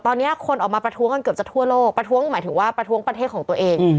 ตอนนี้คนออกมาประท้วงกันเกือบจะทั่วโลกประท้วงหมายถึงว่าประท้วงประเทศของตัวเอง